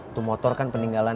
itu motor kan peninggalan